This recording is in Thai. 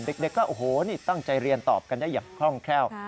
เด็กก็โอ้โหนี่ตั้งใจเรียนตอบกันได้อย่างคล่องแคล่ว